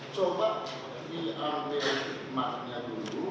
coba ambil maknya dulu